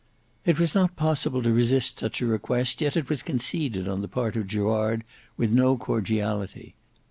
It was not possible to resist such a request, yet it was conceded on the part of Gerard with no cordiality.